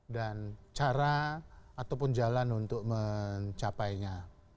dan cara ataupun jalan untuk mencapainya